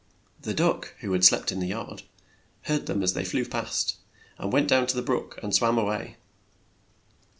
The duck, who had slept in the yard, heard them as they flew past, and went down to the brook and swam a way.